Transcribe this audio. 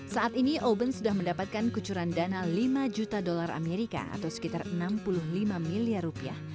saat ini oben sudah mendapatkan kucuran dana lima juta dolar amerika atau sekitar enam puluh lima miliar rupiah